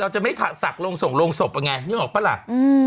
เราจะไม่สักโรงส่งโรงศพอังไงนึกออกปะล่ะอืม